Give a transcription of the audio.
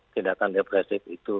tindakan depresi itu